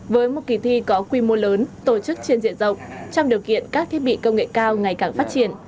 với một kỳ thi có quy mô lớn tổ chức trên diện rộng trong điều kiện các thiết bị công nghệ cao ngày càng phát triển